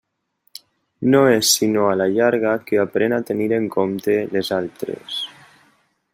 No és sinó a la llarga que aprèn a tenir en compte les altres.